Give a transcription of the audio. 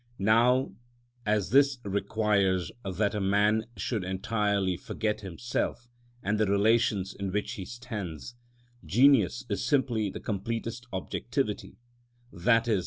Now, as this requires that a man should entirely forget himself and the relations in which he stands, genius is simply the completest objectivity, _i.e.